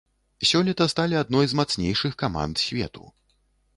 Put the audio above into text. Сёлета сталі адной з мацнейшых каманд свету.